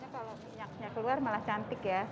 kalau minyaknya keluar malah cantik ya